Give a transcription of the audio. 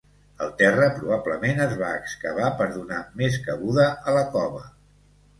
El terra probablement es va excavar per donar més cabuda a la cova.